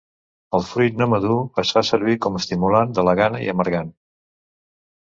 El fruit no madur es fa servir com estimulant de la gana i amargant.